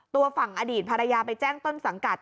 ตัวฝั่งอดีตภรรยาไปแจ้งต้นสังกัด